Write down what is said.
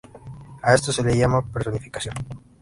A esto se le llama personificación.